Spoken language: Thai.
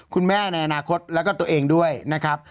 ในอนาคตแล้วก็ตัวเองด้วยนะครับ